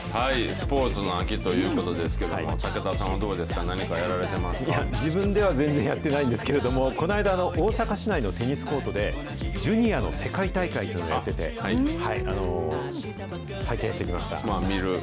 スポーツの秋ということですけれども、武田さんはどうですか、いや、自分では全然やってないんですけれども、この間、大阪市内のテニスコートで、ジュニアの世界大会というのをやってて、拝見してきました。